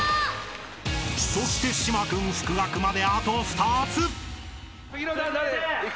［そして島君復学まであと２つ］